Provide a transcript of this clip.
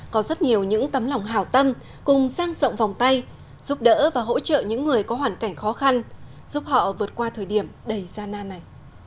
có rất nhiều những tấm lòng hào tâm cùng sang rộng vòng tay giúp đỡ và hỗ trợ những người có hoàn cảnh khó khăn giúp họ vượt qua thời điểm đầy gian nan này